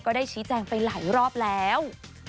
ได้ชี้แจงไปหลายรอบแล้ว